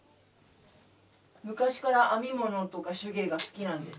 昔から編み物とか手芸が好きなんですか？